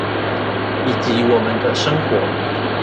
以及我們的生活